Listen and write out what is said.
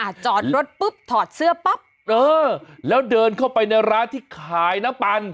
จอดรถปุ๊บถอดเสื้อปั๊บเออแล้วเดินเข้าไปในร้านที่ขายน้ำปัน